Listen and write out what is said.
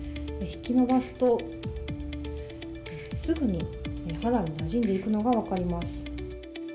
引き伸ばすと、すぐに肌になじんでいくのが分かります。